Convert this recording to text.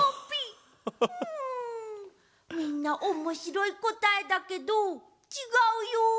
みんなおもしろいこたえだけどちがうよ！